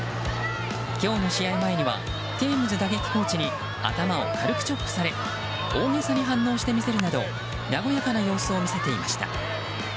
今日の試合前にはテームズ打撃コーチに頭を軽くチョップされ大げさに反応して見せるなど和やかな様子を見せていました。